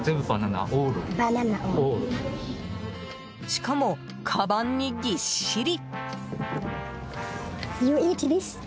しかも、かばんにぎっしり。